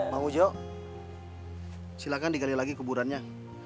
pak ujo silakan dikali lagi kekuburannya